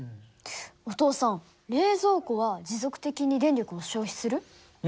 お父さん冷蔵庫は持続的に電力を消費する？